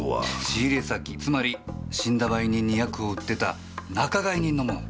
仕入先つまり死んだ売人にヤクを売ってた仲買人のもん。